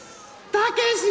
たけし？